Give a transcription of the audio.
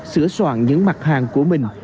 sửa soạn những mặt hàng của mình